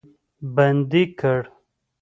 بندي کړ.